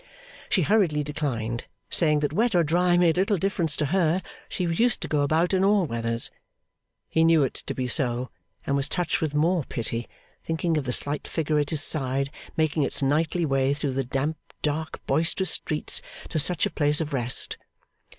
She hurriedly declined, saying that wet or dry made little difference to her; she was used to go about in all weathers. He knew it to be so, and was touched with more pity; thinking of the slight figure at his side, making its nightly way through the damp dark boisterous streets to such a place of rest.